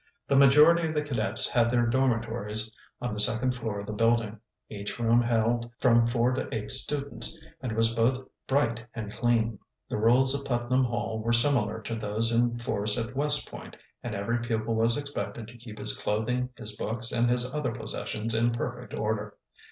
The majority of the cadets had their dormitories on the second floor of the building. Each room held from four to eight students, and was both bright and clean. The rules of Putnam Hall were similar to those in force at West Point, and every pupil was expected to keep his clothing, his books, and his other possessions in perfect order.